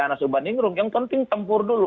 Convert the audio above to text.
anas uban ingrum yang penting tempur dulu